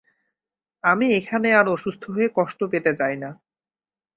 আমি এখানে আর অসুস্থ হয়ে কষ্ট পেতে চাই না।